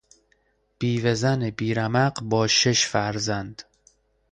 بیوهزن بیرمق با شش فرزند